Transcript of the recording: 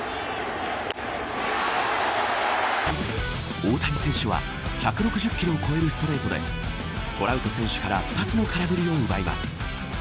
大谷選手は１６０キロを超えるストレートでトラウト選手から２つの空振りを奪います。